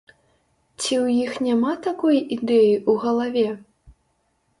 Ці ў іх няма такой ідэі ў галаве?